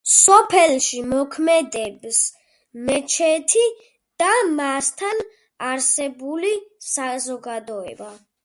სოფელში მოქმედებს მეჩეთი და მასთან არსებული საზოგადოება.